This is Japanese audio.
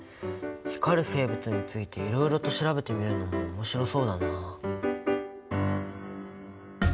光る生物についていろいろと調べてみるのも面白そうだな。